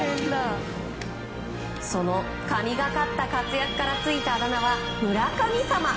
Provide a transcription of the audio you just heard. その神がかった活躍からついたあだ名は、村神様。